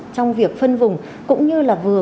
trong việc phân vùng cũng như là vừa